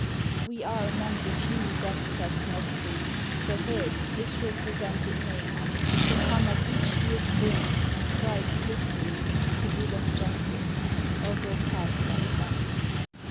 "We are among the few death sets not free, The hurt, misrepresented names, who come At each year's brink, and cry to History To do them justice, or go past them dumb.